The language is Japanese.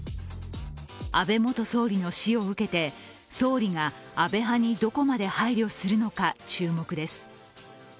安倍元総理の死を受けて、総理が安倍派にどこまで配慮するのか注目です。